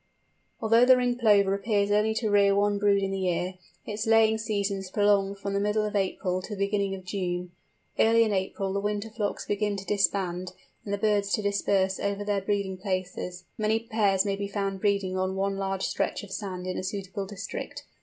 Although the Ringed Plover appears only to rear one brood in the year, its laying season is prolonged from the middle of April to the beginning of June. Early in April the winter flocks begin to disband, and the birds to disperse over their breeding places. Many pairs may be found breeding on one large stretch of sand in a suitable district.